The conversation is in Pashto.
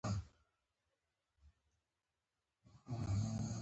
څېره مې بیخي عجیبه غوندې راته ښکاره شوه.